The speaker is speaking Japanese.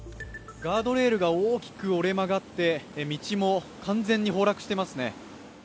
ガードレールが大きく折れ曲がって道も完全に崩落してますね。